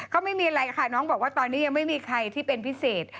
ก็ไม่มีอะไรค่ะน้องบอกว่าตอนนี้ยังไม่มีใครที่เป็นพิเศษ